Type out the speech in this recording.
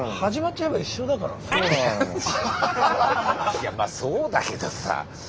いやまあそうだけどさ。